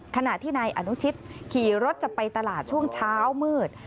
ขณะที่นายอนุชิตขี่รถจะไปตลาดช่วงเช้ามืด